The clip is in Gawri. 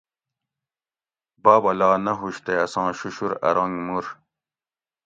بابہ لا نہ ہوش تے اساں شُشر ارنگ مور